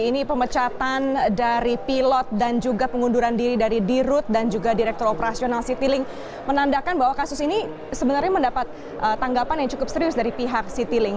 ini pemecatan dari pilot dan juga pengunduran diri dari dirut dan juga direktur operasional citylink menandakan bahwa kasus ini sebenarnya mendapat tanggapan yang cukup serius dari pihak citilink